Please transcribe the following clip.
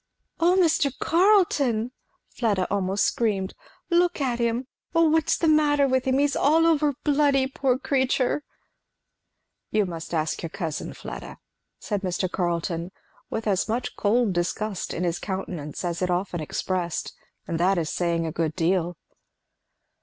"O Mr. Carleton!" Fleda almost screamed, "look at him! O what is the matter with him! he's all over bloody! Poor creature!" "You must ask your cousin, Fleda," said Mr. Carleton, with as much cold disgust in his countenance as it often expressed; and that is saying a good deal.